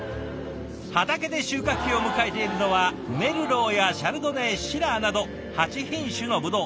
畑で収穫期を迎えているのはメルローやシャルドネシラーなど８品種のブドウ。